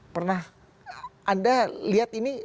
pernah anda lihat ini